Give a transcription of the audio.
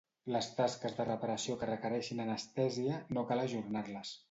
Les tasques de reparació que requereixin anestèsia, no cal ajornar-les .